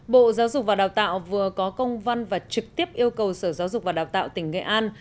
bộ giáo dục và đào tạo vừa có công văn và trực tiếp yêu cầu sở giáo dục và đào tạo tỉnh nghệ an